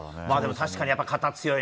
確かに肩、強いね。